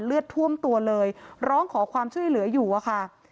เลือดท่วมตัวเลยร้องขอความช่วยเหลืออยู่อะค่ะ